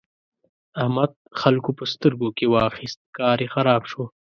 احمد خلګو په سترګو کې واخيست؛ کار يې خراب شو.